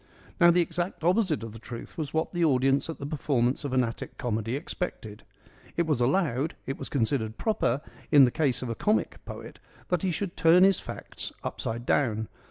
Now the exact opposite of the truth was what the audience at the performance of an Attic comedy expected. It was allowed, it was considered proper in the case of a comic poet, that he should turn his facts upside down.